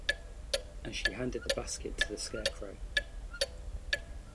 And she handed the basket to the Scarecrow.